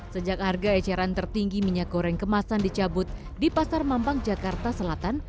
sejak harga eceran tertinggi minyak goreng kemasan dicabut di pasar mampang jakarta selatan